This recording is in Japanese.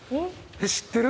知ってる？